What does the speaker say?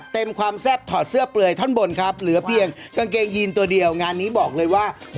เราจบรายการแล้วเอาไปเลย